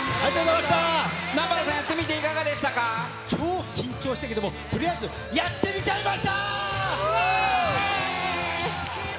南原さん、やってみていかが超緊張したけども、とりあえず、やってみちゃいました。